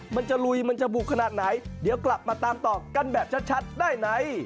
มันจะลุยมันจะบุกขนาดไหนเดี๋ยวกลับมาตามต่อกันแบบชัดได้ใน